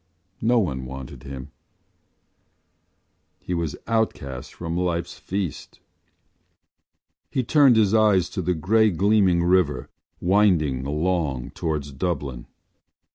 No one wanted him; he was outcast from life’s feast. He turned his eyes to the grey gleaming river, winding along towards Dublin.